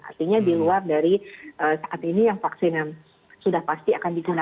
artinya di luar dari saat ini yang vaksin yang sudah pasti akan digunakan